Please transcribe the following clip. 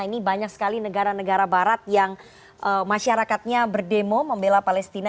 ini banyak sekali negara negara barat yang masyarakatnya berdemo membela palestina